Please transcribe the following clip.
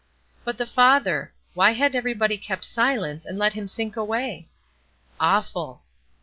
But the father! Why had everybody kept silence, and let him sink away? Awful!